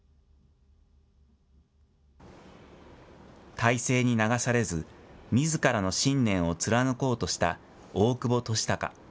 大勢に流されず、みずからの信念を貫こうとした大久保利隆。